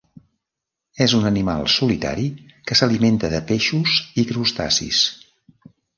És un animal solitari que s'alimenta de peixos i crustacis.